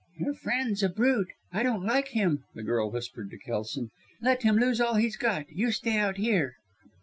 "Your friend's a brute, I don't like him," the girl whispered to Kelson. "Let him lose all he's got you stay out here."